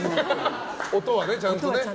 音はね、ちゃんとね。